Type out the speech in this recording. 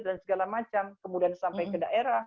dan segala macam kemudian sampai ke daerah